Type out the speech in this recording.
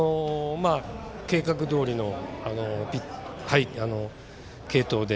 計画どおりの継投で。